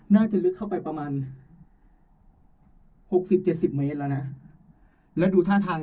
ลึกเข้าไปประมาณหกสิบเจ็ดสิบเมตรแล้วนะแล้วดูท่าทาง